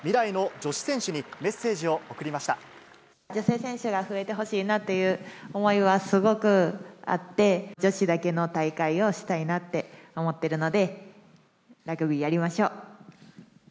女性選手が増えてほしいなという思いはすごくあって、女子だけの大会をしたいなって思ってるので、ラグビーやりましょう。